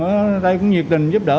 ở đây cũng nhiệt tình giúp đỡ